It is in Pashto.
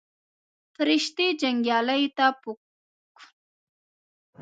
فرښتې جنګیالیو ته په کونه کې ګوتې ورمنډي.